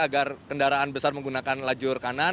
agar kendaraan besar menggunakan lajur kanan